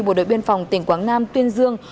bộ đội biên phòng tiền quảng nam tuyên dương